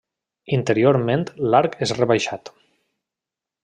Interiorment l'arc és rebaixat.